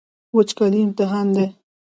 وچکالي امتحان دی.